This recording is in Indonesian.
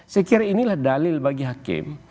saya kira inilah dalil bagi hakim